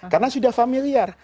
karena sudah familiar